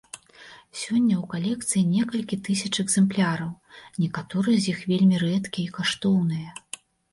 Сёння ў калекцыі некалькі тысяч экземпляраў, некаторыя з іх вельмі рэдкія і каштоўныя.